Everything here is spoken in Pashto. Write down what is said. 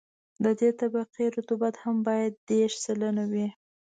د دې طبقې رطوبت هم باید دېرش سلنه وي